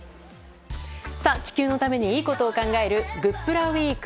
地球のためにいいことを考えるグップラウィーク。